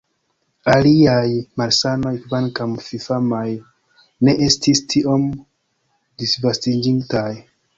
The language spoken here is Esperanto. Aliaj malsanoj, kvankam fifamaj, ne estis tiom disvastiĝintaj.